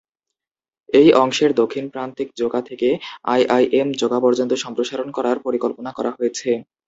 এই অংশের দক্ষিণ প্রান্তিক জোকা থেকে আইআইএম জোকা পর্যন্ত সম্প্রসারণ করার পরিকল্পনা করা হয়েছে।